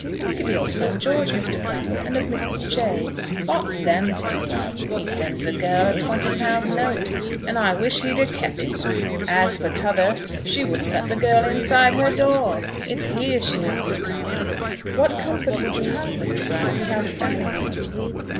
"Think of your son George, Mr. Brattle, and of Mrs. Jay." "What's them to me? He sends the girl a twenty pun' note, and I wish he'd a kep' it. As for t'other, she wouldn't let the girl inside her door! It's here she has to come." "What comfort would you have, Mr. Brattle, without Fanny?"